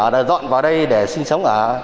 đã dọn vào đây để sinh sống ở